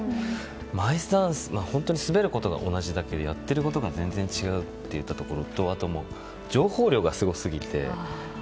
アイスダンスって本当に滑ることが同じだけでやってることが全然違うというところとあとは、情報量がすごすぎて。